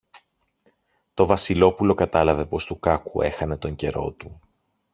Το Βασιλόπουλο κατάλαβε πως του κάκου έχανε τον καιρό του.